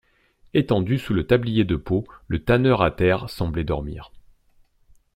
Etendu sous le tablier de peau, le tanneur à terre semblait dormir.